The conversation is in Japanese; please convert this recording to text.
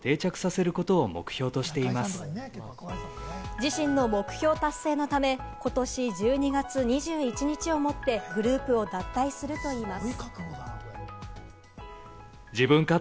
自身の目標達成のため、ことし１２月２１日をもってグループを脱退するといいます。